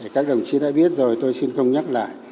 các đồng chí đã biết rồi tôi xin không nhắc lại